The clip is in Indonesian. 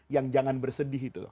yang jangan bersedih itu